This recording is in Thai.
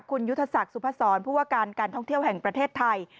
คุณยุทธศักดิ์สุพศรผู้ว่าการการท่องเที่ยวแห่งประเทศไทย